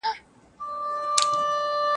جنګ زور اخیستی دئ.